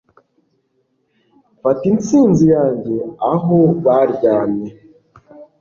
fata intsinzi yanjye aho baryamye